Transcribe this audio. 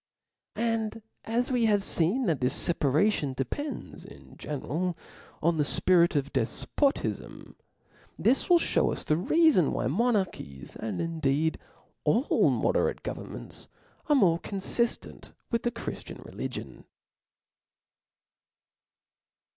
And as we have feen that this feparation (") de WScc pends, in general, on the fpirit of defpotifm, this c.^., and will fhew us the reafon why monarchies; and in ^^^^ »9^ deed, all moderate governments, are more con fiftent () with the Chriftian religion.